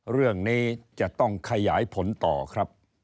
เรื่องนี้จะต้องขยายผลต่อครับ